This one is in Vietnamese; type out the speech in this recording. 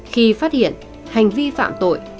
khi phát hiện hành vi phạm tội